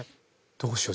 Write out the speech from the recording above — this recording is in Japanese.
どうしよう？